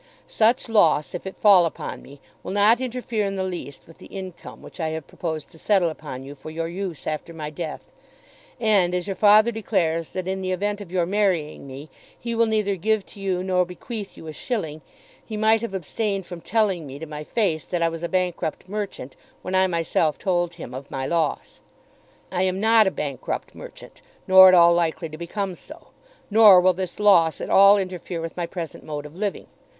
Such loss, if it fall upon me, will not interfere in the least with the income which I have proposed to settle upon you for your use after my death; and, as your father declares that in the event of your marrying me he will neither give to you nor bequeath to you a shilling, he might have abstained from telling me to my face that I was a bankrupt merchant when I myself told him of my loss. I am not a bankrupt merchant nor at all likely to become so. Nor will this loss at all interfere with my present mode of living.